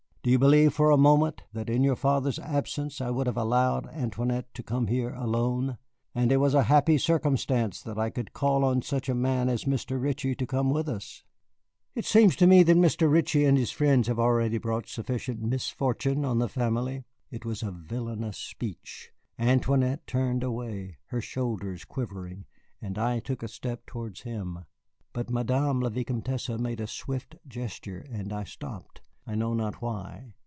Do you believe for a moment that, in your father's absence, I would have allowed Antoinette to come here alone? And it was a happy circumstance that I could call on such a man as Mr. Ritchie to come with us." "It seems to me that Mr. Ritchie and his friends have already brought sufficient misfortune on the family." It was a villanous speech. Antoinette turned away, her shoulders quivering, and I took a step towards him; but Madame la Vicomtesse made a swift gesture, and I stopped, I know not why.